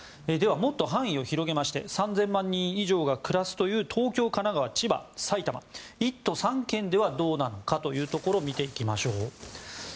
では、もっと範囲を広げまして３０００万人以上が暮らすという東京、神奈川、千葉、埼玉１都３県ではどうなのかを見ていきましょう。